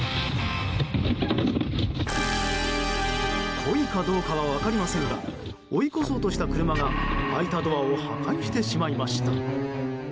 故意かどうかは分かりませんが追い越そうとした車が開いたドアを破壊してしまいました。